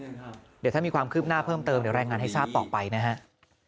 เดี๋ยวถ้ามีความคืบหน้าเพิ่มเติมเดี๋ยวรายงานให้ทราบต่อไปนะฮะ